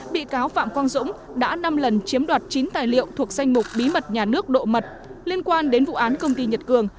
bị cáo phạm quang dũng đã năm lần chiếm đoạt chín tài liệu thuộc danh mục bí mật nhà nước độ mật liên quan đến vụ án công ty nhật cường